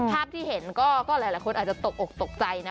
ภาพที่เห็นก็หลายคนอาจจะตกอกตกใจนะ